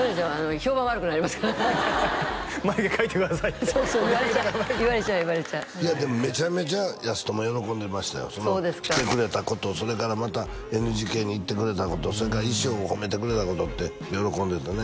評判悪くなりますから「眉毛描いてください」ってそうそう言われちゃう言われちゃう言われちゃういやでもめちゃめちゃやすとも喜んでましたよ来てくれたことそれからまたＮＧＫに行ってくれたことそれから衣装を褒めてくれたことって喜んでたね